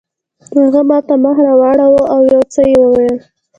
هغه ماته مخ راواړاوه او یو څه یې وویل.